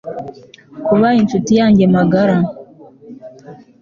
kuba inshuti yanjye magara